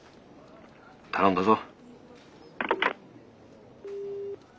頼んだぞ。